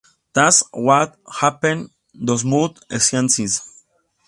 That's what happens to most scientists.